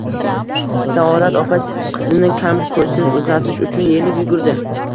Saodat opa qizini kam-ko`stsiz uzatish uchun elib yugurdi